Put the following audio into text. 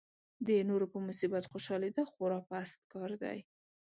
د نورو په مصیبت خوشالېدا خورا پست کار دی.